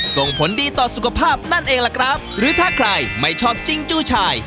ส่งผลดีต่อสุขภาพนั่นเองล่ะครับหรือถ้าใครไม่ชอบจิงจู้ชาย